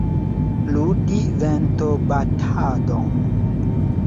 Ludi ventobatadon.